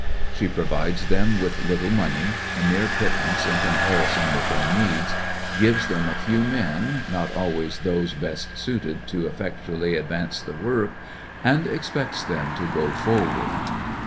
She pro vides them with little money, a mere pittance in comparison with their needs, gives them a few men, not always those best suited to ef fectually advance the work, and expects them to go forward.